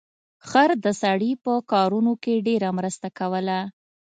خر د سړي په کارونو کې ډیره مرسته کوله.